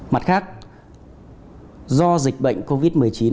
mặt khác do dịch bệnh covid một mươi chín